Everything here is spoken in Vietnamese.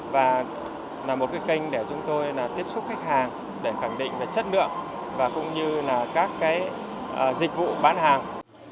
và là một cái kênh để chúng tôi tiếp xúc khách hàng để khẳng định về chất lượng và cũng như là các dịch vụ bán hàng